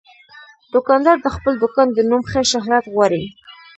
دوکاندار د خپل دوکان د نوم ښه شهرت غواړي.